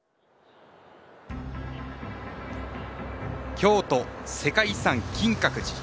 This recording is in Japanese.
京都世界遺産・金閣寺。